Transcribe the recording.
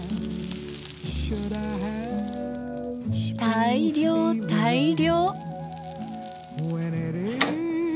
大漁大漁！